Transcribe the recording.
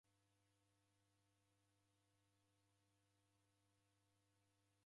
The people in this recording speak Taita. Omoni oreka ni mwana wa mwalimu.